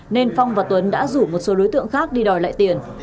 nên phong và tuấn đã rủ một số đối tượng khác đi đòi lại tiền